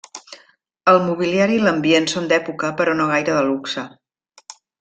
El mobiliari i l'ambient són d'època però no gaire de luxe.